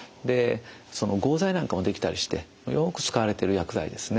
その合剤なんかも出来たりしてよく使われている薬剤ですね。